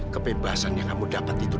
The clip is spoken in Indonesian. kebebasan yang kamu dapat itu